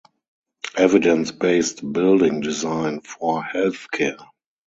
Evidence Based Building Design for Healthcare.